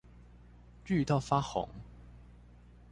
綠到發紅